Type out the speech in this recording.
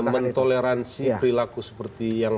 mentoleransi perilaku seperti yang